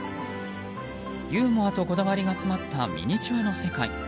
ユーモアとこだわりが詰まったミニチュアの世界。